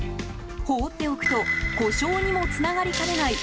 放っておくと故障にもつながりかねない